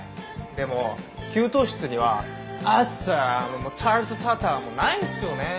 でも給湯室にはアッサムもタルトタタンもないんですよねえ。